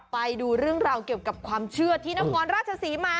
ไปดูเรื่องราวเกี่ยวกับความเชื่อที่นครราชศรีมา